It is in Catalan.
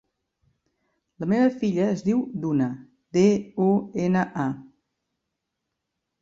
La meva filla es diu Duna: de, u, ena, a.